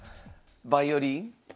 バイオリン？